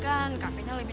thank you kalau gitu